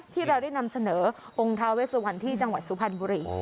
ที่เราได้นำเสนอองค์ท้าเวสวันที่จังหวัดสุพรรณบุรี